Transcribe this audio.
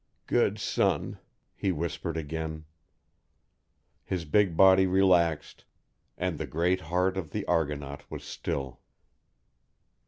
"Good son," he whispered again; his big body relaxed, and the great heart of the Argonaut was still.